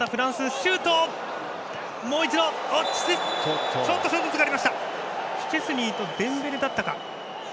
シュチェスニーとデンベレだったか。